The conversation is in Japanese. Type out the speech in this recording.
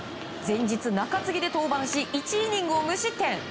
前日、中継ぎで登板し１イニングを無失点。